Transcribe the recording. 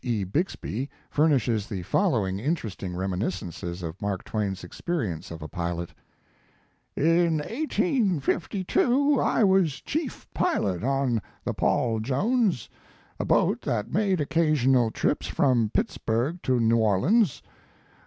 E. Bixby, furnishes the following interesting reminiscences of Mark Twain s experi ence of a pilot: "In 1852 I was chief pilot on the Paul Jones, a boat that made occasional trips from Pittsburg to New Orleans.